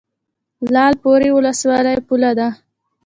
لعل پورې ولسوالۍ پوله ده؟